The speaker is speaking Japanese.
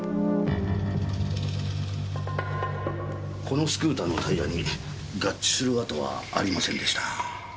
このスクーターのタイヤに合致する跡はありませんでした。